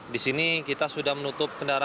di sini kita sudah menutup kendaraan